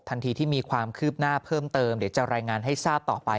ทันทีที่มีความคืบหน้าเพิ่มเติมเดี๋ยวจะรายงานให้ทราบต่อไป